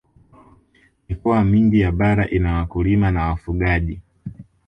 mikoa mingi ya bara ina wakulima na wafugaji